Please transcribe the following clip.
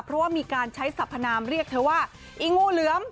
เพราะว่ามีการใช้สัพพนามเรียกเธอว่าอีงูเหลือม